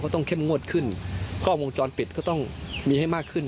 ต้องเข้มงวดขึ้นกล้องวงจรปิดก็ต้องมีให้มากขึ้น